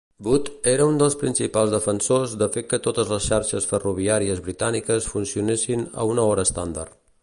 Booth era un dels principals defensors de fer que totes les xarxes ferroviàries britàniques funcionessin a una hora estàndard.